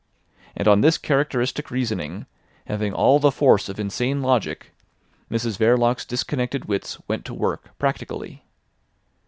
And on this characteristic reasoning, having all the force of insane logic, Mrs Verloc's disconnected wits went to work practically.